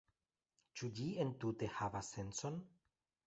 Ĉu ĝi entute havas sencon?